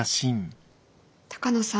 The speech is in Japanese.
鷹野さん。